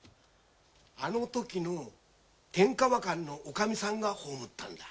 あのときの天河館の女将さんが葬ったんだ。